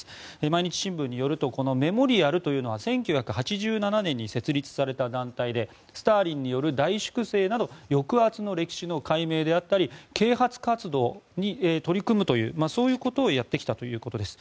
毎日新聞によるとこのメモリアルというのは１９８７年に設立された団体でスターリンによる大粛清など抑圧の歴史の解明であったり啓発活動に取り組むというそういうことをやってきたということです。